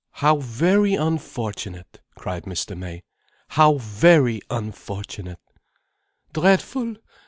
"How very unfortunate!" cried Mr. May. "How very unfortunate!" "Dreadful!